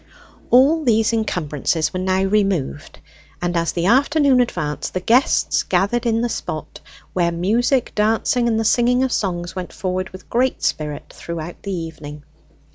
All these encumbrances were now removed, and as the afternoon advanced, the guests gathered on the spot, where music, dancing, and the singing of songs went forward with great spirit throughout the evening.